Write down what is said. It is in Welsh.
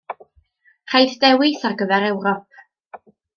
Rhaid dewis ar gyfer Ewrop.